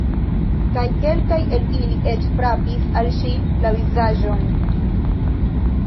Kaj kelkaj el ili eĉ frapis al ŝi la vizaĝon.